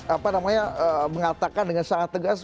apa namanya mengatakan dengan sangat tegas